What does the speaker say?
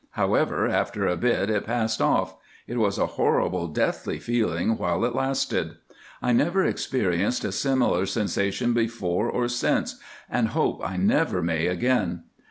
However, after a bit it passed off; it was a horrible deathly feeling while it lasted. I never experienced a similar sensation before or since, and hope I never may again.